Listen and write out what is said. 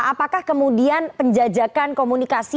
apakah kemudian penjajakan komunikasi